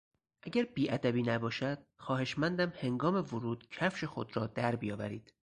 اگر بیادبی نباشد خواهشمندم هنگام ورود کفش خود را در بیاورید.